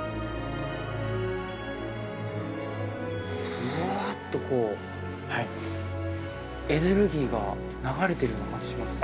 フワァッと、こうエネルギーが流れてるような感じがしますね。